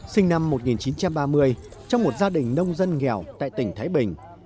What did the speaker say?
sinh năm một nghìn chín trăm ba mươi trong một gia đình nông dân nghèo tại tỉnh thái bình